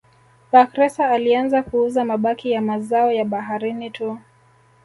Bakhresa alianza kuuza mabaki ya mazao ya baharini tu